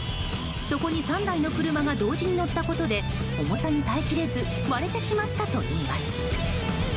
そこに３台の車が同時に乗ったことで重さに耐えきれず割れてしまったといいます。